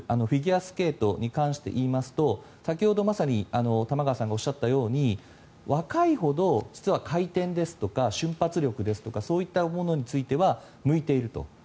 フィギュアスケートに関していいますと先ほど、まさに玉川さんがおっしゃったように若いほど実は回転ですとか瞬発力ですとかそういったものについては向いていると。